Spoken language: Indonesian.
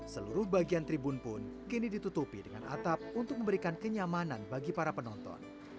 seluruh bagian tribun pun kini ditutupi dengan atap untuk memberikan kenyamanan bagi para penonton